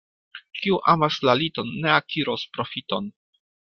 Kiu amas la liton, ne akiros profiton.